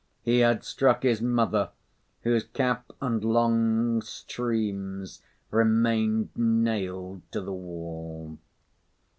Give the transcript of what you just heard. He had struck his mother, whose cap and long streams remained nailed to the wall.